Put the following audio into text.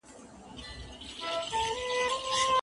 هغه د خپل هوډ په شا ونه شو.